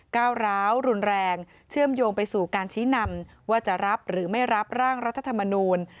ก้าวร้าวรุนแรงเชื่อมโยงไปสู่การชี้นำว่าจะรับหรือไม่รับร่างรัฐธรรมนูล